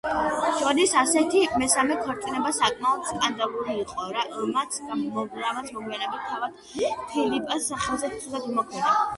ჯონის ასეთი მესამე ქორწინება საკმაოდ სკანდალური იყო, რამაც მოგვიანებით თავად ფილიპას სახელზეც ცუდად იმოქმედა.